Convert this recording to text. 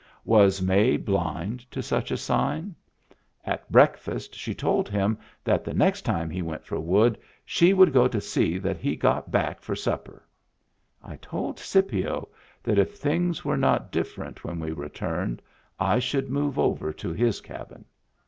Was May blind to such a sign ? At breakfast she told him that the next time he went for wood she would go to see that he got back for supper! I told Scipio that if things were not different when we returned I should move over to his cabin.